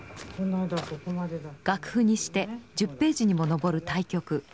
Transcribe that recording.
楽譜にして１０ページにも上る大曲。